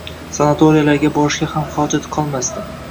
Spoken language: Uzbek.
Sanatoriyalarga borishga ham hojat qolmasdi.